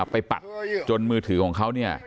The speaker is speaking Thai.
ปัดจนมือถือของเขาเนี่ย